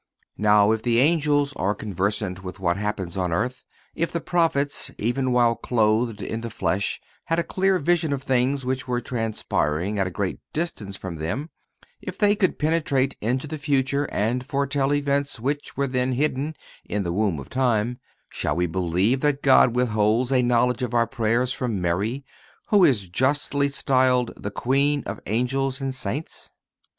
(260) Now, if the angels are conversant with what happens on earth; if the Prophets, even while clothed in the flesh, had a clear vision of things which were transpiring at a great distance from them; if they could penetrate into the future and fortell events which were then hidden in the womb of time, shall we believe that God withholds a knowledge of our prayers from Mary, who is justly styled the Queen of Angels and Saints?